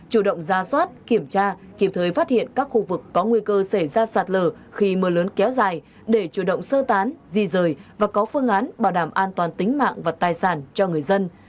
chủ động ra soát kiểm tra kịp thời phát hiện các khu vực có nguy cơ xảy ra sạt lở khi mưa lớn kéo dài để chủ động sơ tán di rời và có phương án bảo đảm an toàn tính mạng và tài sản cho người dân